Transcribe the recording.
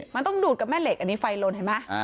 มันต้องดูดกับแม่เหล็กอันนี้ไฟลนเห็นไหม